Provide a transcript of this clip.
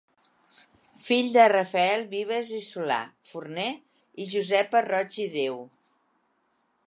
Fill de Rafael Vives i Solà, forner i Josepa Roig i Déu.